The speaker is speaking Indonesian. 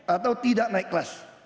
atau tidak naik kelas